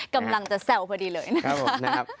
กำลังจะแซวพอดีเลยนะครับ